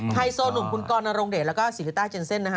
ไฮโซหนุ่มคุณกรนรงเดชแล้วก็ศรีริต้าเจนเซ่นนะฮะ